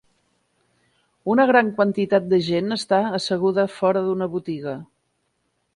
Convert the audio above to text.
Una gran quantitat de gent està asseguda a fora d'una botiga.